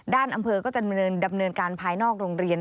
อำเภอก็จะดำเนินการภายนอกโรงเรียน